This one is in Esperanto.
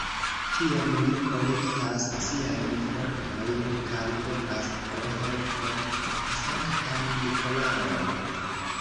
Tiam li kolektas siajn fortojn kaj vokas pro helpo la sanktan Nikolaon.